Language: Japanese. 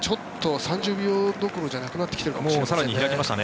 ３０秒どころじゃなくなってきているかもしれないですね。